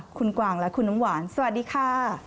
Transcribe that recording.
คุณกวางและคุณน้ำหวานสวัสดีค่ะ